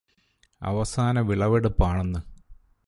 അവസാന വിളവെടുപ്പാണെന്ന്